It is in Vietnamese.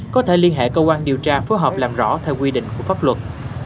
có thể liên hệ cơ quan điều tra phối hợp làm rõ theo quy định của pháp luật